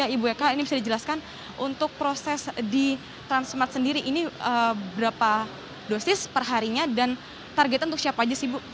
ibu eka ini bisa dijelaskan untuk proses di transmart sendiri ini berapa dosis perharinya dan targetnya untuk siapa aja sih bu